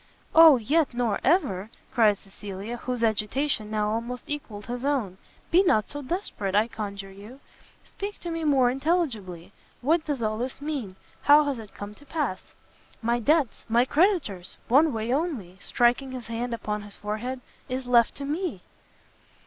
"O yet nor ever!" cried Cecilia, whose agitation now almost equalled his own, "be not so desperate, I conjure you! speak to me more intelligibly, what does all this mean? How has it come to pass?" "My debts! my creditors! one way only," striking his hand upon his forehead, "is left for me!"